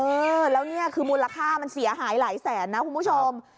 เออแล้วนี่คือมูลค่ามันเสียหายหลายแสนนะคุณผู้ชม